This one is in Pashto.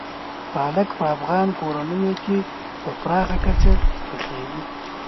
پالک په افغان کورنیو کې په پراخه کچه پخېږي.